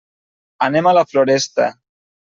Anem a la Floresta.